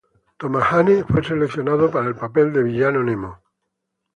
Thomas Jane fue seleccionado para el papel del villano Nemo.